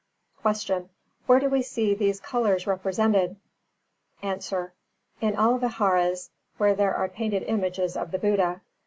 339. Q. Where do we see these colours represented? A. In all vihāras where there are painted images of the Buddha.